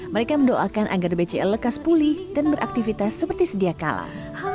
mereka mendoakan agar bca lekas pulih dan beraktivitas seperti sedia kalah